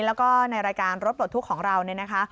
แล้วก็ในรายการรถปลดทุกข์ของเราเนี่ยนะคะ